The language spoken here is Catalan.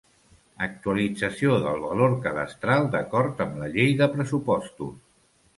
Actualització del valor cadastral d'acord amb la Llei de pressupostos.